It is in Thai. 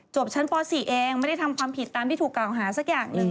ชั้นป๔เองไม่ได้ทำความผิดตามที่ถูกกล่าวหาสักอย่างหนึ่ง